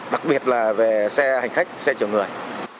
đặc biệt là về xe hành khách xe chở người